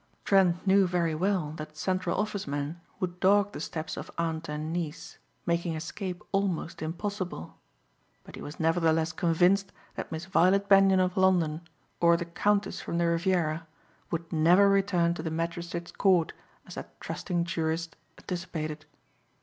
Trent knew very well that Central Office men would dog the steps of aunt and niece, making escape almost impossible. But he was nevertheless convinced that Miss Violet Benyon of London, or the Countess from the Riviera, would never return to the magistrate's court as that trusting jurist anticipated.